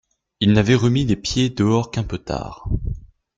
Il n’avait remis les pieds dehors qu’un peu tard.